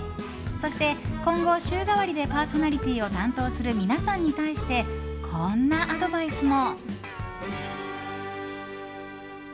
そして今後、週替わりでパーソナリティーを担当する皆さんに対してこんなアドバイスも。